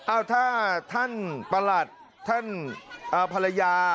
เอาถ้าท่านประหลัดท่านภรรยา